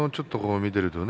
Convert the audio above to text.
見ているとね